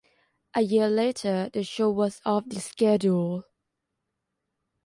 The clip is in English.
A year later, the show was off the schedule.